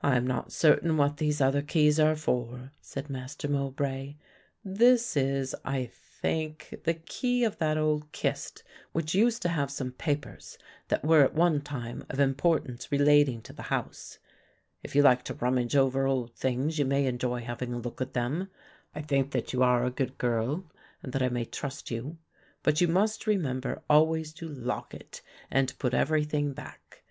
"I am not certain what these other keys are for," said Master Mowbray. "This is, I think, the key of that old kist which used to have some papers that were at one time of importance relating to the house. If you like to rummage over old things you may enjoy having a look at them. I think that you are a good girl and that I may trust you, but you must remember always to lock it and put everything back.